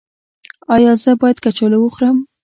ایا زه باید کچالو وخورم؟